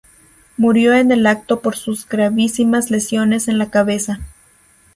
Murió en el acto por sus gravísimas lesiones en la cabeza.